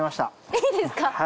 いいですか。